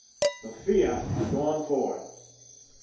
The fiat had gone forth